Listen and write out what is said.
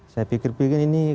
saya pikir pikir ini